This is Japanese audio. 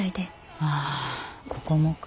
ああここもか。